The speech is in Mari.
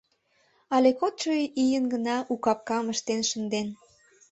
Але кодшо ийын гына у капкам ыштен шынден.